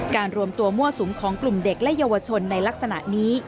รวมตัวมั่วสุมของกลุ่มเด็กและเยาวชนในลักษณะนี้